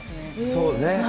そうね。